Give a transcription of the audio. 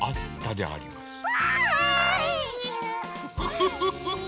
フフフフ。